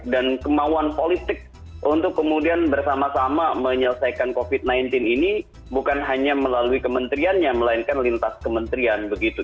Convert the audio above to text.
dan kemauan politik untuk kemudian bersama sama menyelesaikan covid sembilan belas ini bukan hanya melalui kementerian ya melainkan lintas kementerian begitu